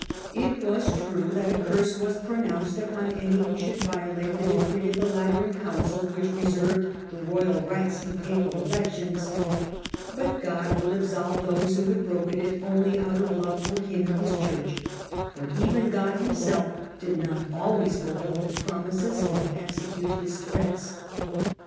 It was true that a curse was pronounced upon any who should violate the decree of the Lateran Council which reserved the royal rights in papal elections, but God would absolve those who had broken it only out of love for Him and His Church, for even God Himself did not always fulfil His promises or execute His threats.